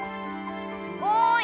おい！